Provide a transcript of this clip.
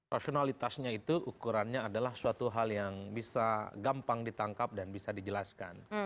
rasionalitasnya itu ukurannya adalah suatu hal yang bisa gampang ditangkap dan bisa dijelaskan